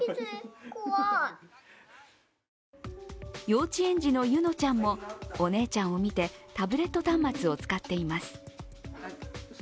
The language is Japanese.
幼稚園児の夢望ちゃんもお姉ちゃんを見てタブレット端末を使っています。